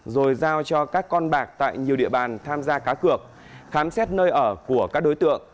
rồi giao cho các con bạc tại nhiều địa bàn tham gia cá cược khám xét nơi ở của các đối tượng